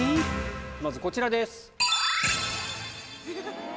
まずこちらです。